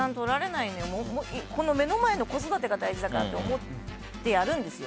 この目の前の子育てが大事だからと思ってやるんですよ。